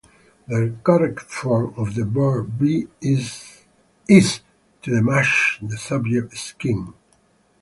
The correct form of the verb "be" is "is" to match the subject "scheme."